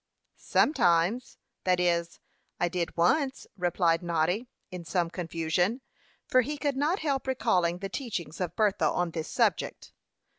"Sometimes; that is, I did once," replied Noddy, in some confusion, for he could not help recalling the teachings of Bertha on this subject.